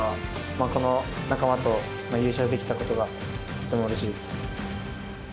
この仲間と優勝できたことが、とてもうれしいです。